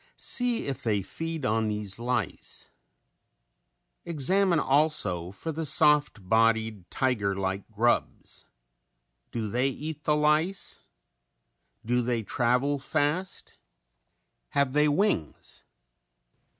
See if they feed on these lice. Examine also for the soft bodied, tiger like grubs. Do they eat the lice? Do they travel fast? Have they wings?